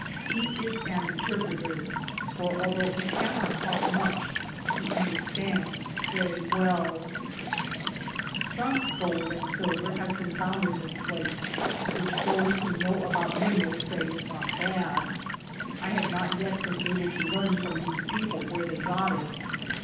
He ia an interpreter; for although he can not talk much, he understands very welL Some gold and silver has been found in this place, which those who know about min erals say is not bad. I have not yet been able to learn from these people where they got it.